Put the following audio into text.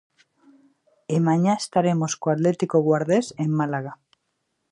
E mañá estaremos co Atlético Guardés en Málaga.